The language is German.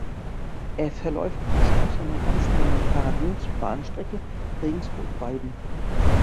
Er verläuft fast auf seiner ganzen Länge parallel zur Bahnstrecke Regensburg–Weiden.